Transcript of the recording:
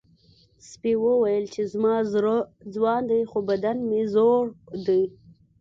سپي وویل چې زما زړه ځوان دی خو بدن مې زوړ دی.